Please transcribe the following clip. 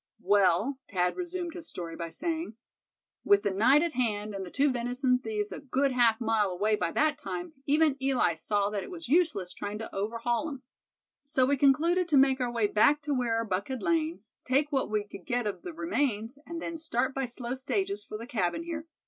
"Well," Thad resumed his story by saying, "with the night at hand, and the two venison thieves a good half mile away by that time, even Eli saw that it was useless trying to overhaul 'em. So we concluded to make our way back to where our buck had lain, take what we could get of the remains, and then start by slow stages for the cabin here.